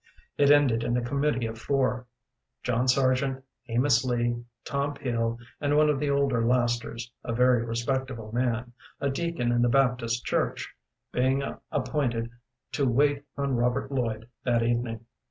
It ended in a committee of four John Sargent, Amos Lee, Tom Peel, and one of the older lasters, a very respectable man, a deacon in the Baptist Church being appointed to wait on Robert Lloyd that evening.